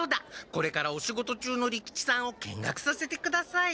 これからお仕事中の利吉さんを見学させてください。